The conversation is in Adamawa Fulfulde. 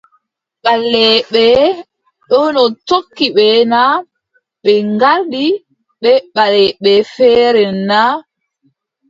Ɓaleeɓe ɗono tokki ɓe na, ɓe ngardi ɓe ɓaleeɓe feereʼen na ?